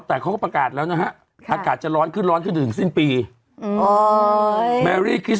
แต่เขาก็ประกาศแล้วนะฮะอากาศจะร้อนขึ้นร้อนขึ้นจนถึงสิ้นปีอืม